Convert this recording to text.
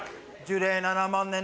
樹齢７万年？